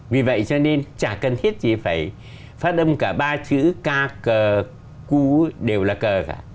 vì vậy cho nên chả cần thiết chỉ phải phát âm cả ba chữ ca đều là cờ cả